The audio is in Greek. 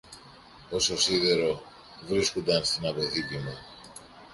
Όσο σίδερο βρίσκουνταν στην αποθήκη μου